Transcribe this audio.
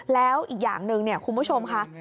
แล้วอีกอย่างหนึ่งคุณผู้ชมค่ะ